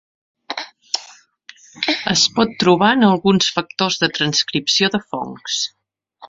Es pot trobar en alguns factors de transcripció de fongs.